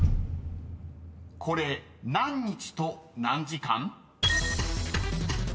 ［これ何日と何時間？］